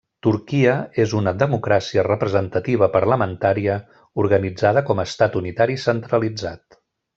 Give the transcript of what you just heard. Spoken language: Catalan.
Turquia és una democràcia representativa parlamentària organitzada com a estat unitari centralitzat.